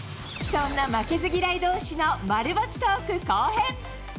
そんな負けず嫌いどうしの〇×トーク後編。